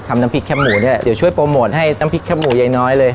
น้ำพริกแปบหมูนี่แหละเดี๋ยวช่วยโปรโมทให้น้ำพริกแป๊บหมูยายน้อยเลย